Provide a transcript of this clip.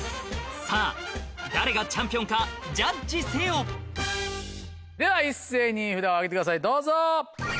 さぁ誰がチャンピオンかジャッジせよでは一斉に札を上げてくださいどうぞ！